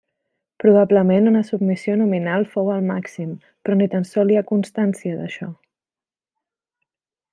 Probablement una submissió nominal fou el màxim, però ni tant sol hi ha constància d'això.